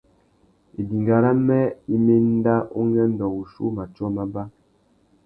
Idinga râmê i mà enda ungüêndô wuchiuwú matiō mábá.